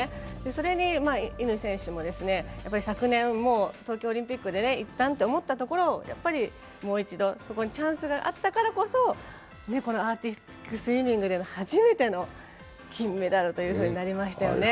それに乾選手も昨年も東京オリンピックでいったと思ったところ、もう一度そこにチャンスがあったからこそ、アーティスティックスイミングでの初めての金メダルとなりましたよね。